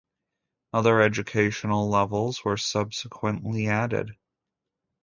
Other educational levels were subsequently added.